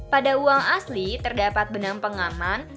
pada uang asli terdapat benang pengaman